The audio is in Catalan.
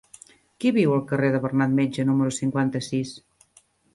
Qui viu al carrer de Bernat Metge número cinquanta-sis?